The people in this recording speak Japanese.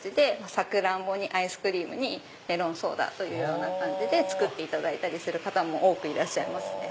サクランボにアイスクリームにメロンソーダという感じで作っていただいたりする方も多くいらっしゃいますね。